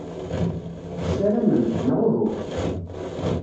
Tessaramemt, neɣ uhu?